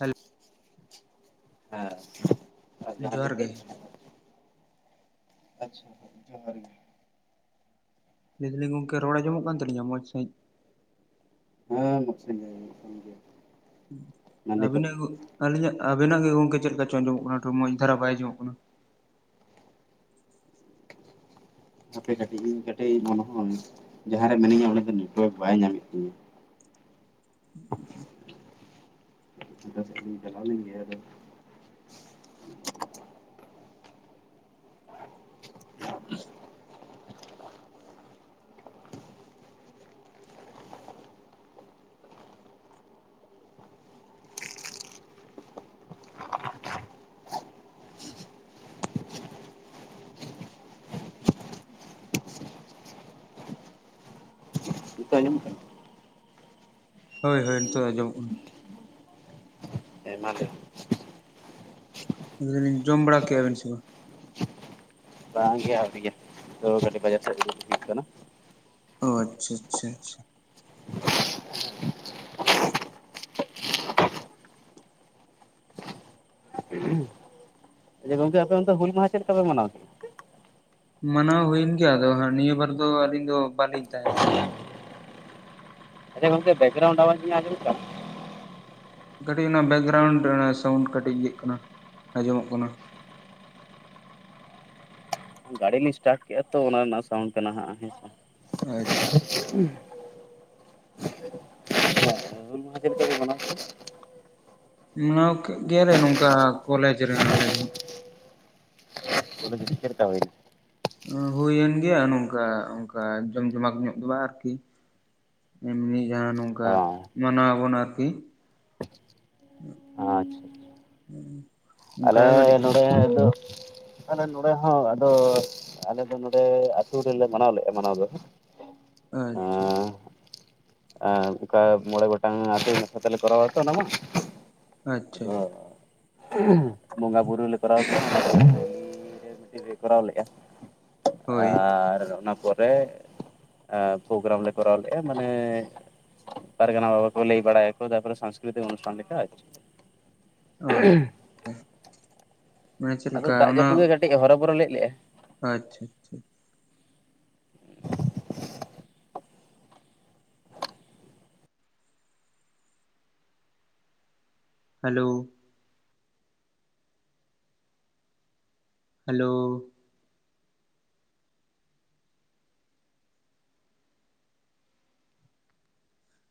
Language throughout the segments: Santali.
ᱦᱮᱞᱳ ᱦᱮᱸ ᱟᱨ ᱡᱟᱦᱟᱸ ᱡᱚᱦᱟᱨ ᱜᱮ ᱞᱟᱹᱭ ᱟᱪᱪᱷᱟ ᱡᱚᱦᱟᱨ ᱜᱮ ᱞᱟᱹᱭᱮᱫᱟᱞᱤᱧ ᱜᱚᱝᱠᱮ ᱨᱚᱲ ᱟᱡᱸᱢᱚᱜ ᱠᱟᱱ ᱛᱟᱹᱞᱤᱧ ᱢᱚᱡᱽ ᱥᱟᱦᱤᱡ ᱦᱮᱸ [unintelligible] ᱜᱮ ᱜᱮ ᱟᱹᱵᱤᱱᱟᱜ ᱟᱹᱞᱤᱧᱟᱜ ᱟᱵᱤᱱᱟᱜ ᱜᱮ ᱜᱚᱝᱠᱮ ᱪᱮᱫᱠᱟ ᱪᱚᱝ ᱟᱸᱡᱚᱢᱚᱜ ᱠᱟᱱᱟ ᱢᱚᱸᱡᱽ ᱫᱷᱟᱨᱟ ᱵᱟᱭ ᱟᱸᱡᱚᱢᱚᱜ ᱠᱟᱱᱟ ᱟᱯᱮ ᱠᱟᱹᱴᱤᱡ ᱤᱧ ᱠᱟᱹᱴᱤᱡ ᱢᱚᱱᱮ ᱡᱟᱦᱟᱸ ᱨᱮ ᱢᱤᱱᱟᱹᱧᱟ ᱩᱱᱤᱫ ᱫᱚ ᱱᱮᱴᱚᱣᱟᱨᱠ ᱵᱟᱭ ᱧᱟᱢᱮᱫ ᱛᱤᱧᱟᱹ ᱧ ᱪᱞᱟ ᱞ ᱜᱮ [unintelligible] [unintelligible] ᱱᱤᱛᱚᱜ ᱟᱡᱚᱢ ᱠᱟᱱᱟ ᱦᱳᱭ ᱦᱳᱭ ᱱᱤᱛᱚᱜ ᱟᱸᱡᱚᱢᱚᱜ ᱦᱮᱸ ᱢᱟ ᱞᱟᱭ ᱢᱮ ᱞᱟᱹᱭ ᱫᱟᱞᱤᱧ ᱡᱚᱢ ᱵᱟᱲᱟ ᱠᱮᱭᱟᱵᱤᱱ ᱥᱮ ᱵᱟᱝ ᱵᱟᱝ ᱜᱮ ᱟᱨ ᱜᱮ ᱜᱮ ᱛᱚ ᱠᱟᱴᱤᱡ ᱵᱟᱡᱟᱨ ᱥᱮ ᱞᱤᱱ ᱦᱮ ᱠᱟᱱᱟ᱾ ᱚ ᱟᱪᱪᱷᱟ ᱟᱪᱪᱷᱟ ᱟᱪᱪᱷᱟ ᱡᱮ ᱜᱚᱢᱠᱮ ᱟᱯᱮ ᱚᱱᱛᱮ ᱦᱩᱞ ᱢᱟᱦᱟ ᱪᱮᱫ ᱞᱮᱠᱟ ᱯᱮ ᱢᱟᱱᱟᱣ ᱠᱮᱫᱟ ᱢᱟᱱᱟᱣ ᱦᱩᱭᱮᱱ ᱜᱮᱭᱟ ᱟᱫᱚ ᱱᱤᱭᱟᱹ ᱵᱟᱨ ᱫᱚ ᱟᱹᱞᱤᱧ ᱫᱚ ᱵᱟᱹᱞᱤᱧ ᱛᱟᱦᱮᱸ ᱠᱟᱱᱟ᱾ ᱟᱪᱪᱷᱟ ᱜᱚᱢᱠᱮ ᱵᱮᱠᱜᱨᱣᱩᱱᱰ ᱟᱡᱚᱢ ᱫᱟ? ᱠᱟᱹᱴᱤᱡ ᱚᱱᱟ ᱵᱮᱠᱜᱨᱟᱣᱩᱱᱰ ᱚᱱᱟ ᱥᱟᱣᱱᱰ ᱠᱟᱹᱴᱤᱡ ᱤᱭᱟᱹᱜ ᱠᱟᱱᱟ ᱟᱸᱡᱚᱢᱚᱜ ᱠᱟᱱᱟ᱾ ᱜᱟᱹᱰᱤ ᱞᱤᱧ ᱮᱥᱴᱟᱴ ᱠᱮᱫ-ᱟ ᱛᱚ ᱚᱱᱟ ᱨᱮᱱᱟᱜ ᱥᱟᱣᱩᱱᱰ ᱠᱟᱱᱟ ᱦᱟᱜ ᱦᱮᱸᱥᱮ ᱟᱪᱪᱷᱟ ᱦᱩᱞ ᱢᱟᱦᱟ ᱪᱮᱫ ᱠᱟ ᱯᱮ ᱢᱟᱱᱟᱣ ᱠᱮᱫᱟ ᱜᱮᱞᱮ ᱱᱚᱝᱠᱟ ᱠᱚᱞᱮᱡᱽ ᱨᱮ ᱟᱞᱮ ᱠᱮᱫᱟ ᱦᱩᱞ ᱪᱮᱫ ᱞᱮᱠᱟ ᱦᱩᱭ ᱱᱟ ᱦᱩᱭᱮᱱ ᱜᱮᱭᱟ ᱱᱚᱝᱠᱟ ᱚᱱᱠᱟ ᱡᱚᱢ ᱡᱚᱢᱟᱠ ᱧᱚᱜ ᱫᱚ ᱵᱟᱝ ᱟᱨᱠᱤ ᱮᱢᱱᱤ ᱡᱟᱦᱟᱸ ᱱᱚᱝᱠᱟ ᱚ ᱟᱪᱪᱷᱟ ᱢᱟᱱᱟᱣ ᱟᱵᱚᱱ ᱟᱨᱠᱤ ᱠᱟ ᱟᱞᱮ ᱜᱰᱤ [unintelligible] [unintelligible] ᱫᱚ ᱟᱞᱮ ᱱᱚᱰᱮ ᱦᱚᱸ ᱟᱫᱚ ᱟᱞᱮ ᱫᱚ ᱱᱚᱰᱮ ᱟᱹᱛᱩᱳ ᱨᱮᱞᱮ ᱢᱟᱱᱟᱣ ᱞᱮᱫ-ᱟ ᱢᱟᱱᱟᱣ ᱫᱚ ᱟᱪᱪᱷᱟ ᱟᱪᱪᱷᱟ ᱮ ᱚᱱᱠᱟ ᱢᱚᱬᱮ ᱜᱚᱴᱟᱝ ᱟᱛᱳ ᱢᱮᱥᱟ ᱛᱮᱞᱮ ᱠᱚᱨᱟᱣᱛᱚ ᱚᱱᱟ ᱢᱟ᱾ ᱟᱪᱪᱷᱟ ᱟᱫᱚ ᱵᱚᱸᱜᱟ ᱵᱩᱨᱩ ᱞᱮ ᱠᱚᱨᱟᱣ ᱠᱮᱫ-ᱟ ᱨᱮ ᱠᱚᱨᱟᱣ ᱞᱮ-ᱟ ᱦᱳᱭ ᱟᱨ ᱚᱱᱟ ᱯᱚᱨᱮ ᱯᱨᱳᱜᱨᱟᱢ ᱞᱮ ᱠᱚᱨᱟᱣ ᱞᱮᱫ-ᱟ ᱢᱟᱱᱮ ᱯᱟᱨᱜᱟᱱᱟ ᱵᱟᱵᱟ ᱠᱚ ᱞᱟᱹᱭ ᱵᱟᱲᱟᱭᱟ ᱟᱠᱚ ᱛᱟᱨᱯᱮ ᱥᱟᱝᱥᱠᱨᱤᱛᱤᱠ ᱚᱱᱩᱥᱴᱟᱱ ᱞᱮᱠᱟ᱾ ᱟᱪᱪᱷᱟ ᱢᱟᱱᱮ ᱪᱮᱫ ᱟᱫᱚ ᱞᱮᱠᱟ ᱫᱟᱜ ᱚᱱᱟ ᱡᱟᱹᱯᱩᱫ ᱫᱚ ᱠᱟᱹᱴᱤᱡ ᱦᱚᱨᱚᱵᱚᱨᱚ ᱞᱮᱫ ᱞᱮ-ᱟ᱾ ᱟᱪᱪᱷᱟ ᱟᱪᱪᱷᱟ ᱦᱩᱸ [unintelligible] ᱦᱮᱞᱳ ᱦᱮᱞᱳ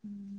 ᱦᱩᱸ